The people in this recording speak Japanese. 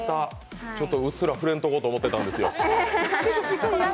うっすら触れんとこうと思ってたんですよ。